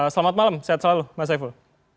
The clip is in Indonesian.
selamat malam sehat selalu mas saiful